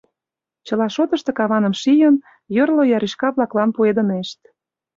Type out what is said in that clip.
Чыла тошто каваным шийын, йорло яришка-влаклан пуэдынешт.